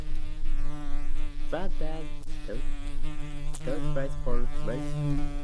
Frentzen took third place for Williams.